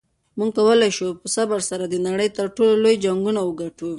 موږ کولی شو په صبر سره د نړۍ تر ټولو لوی جنګونه وګټو.